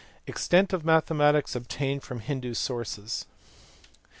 Extent of mathematics obtained from Hindoo sources.